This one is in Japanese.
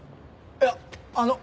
いやあの。